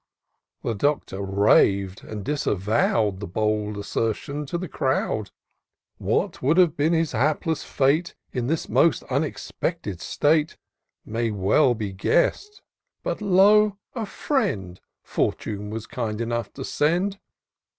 The Doctor rav'd, and disavowed The bold assertion to the crowd. What would have been his hapless fate. In this most unexpected state, May well be guess'd : but, lo ! a friend Fortune was kind enough to send.